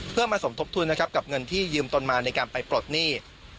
เพื่อมาสมทบทุนนะครับกับเงินที่ยืมตนมาในการไปปลดหนี้